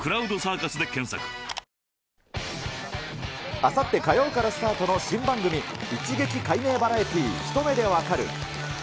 あさって火曜からスタートの新番組、一撃解明バラエティひと目でわかる！